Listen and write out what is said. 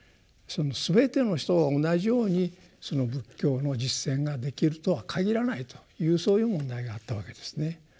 すべての人が同じようにその仏教の実践ができるとは限らないというそういう問題があったわけですね。